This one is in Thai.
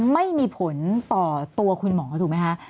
ไม่มีผลต่อตัวคุณหมอถูกไหมคะ